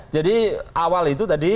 jadi awal itu tadi